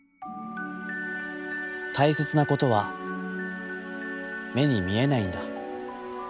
たいせつなことは、目に見えないんだ』。